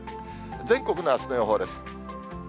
全国のあすの予報です。